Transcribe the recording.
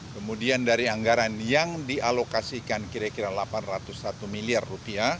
kemudian dari anggaran yang dialokasikan kira kira rp delapan ratus satu miliar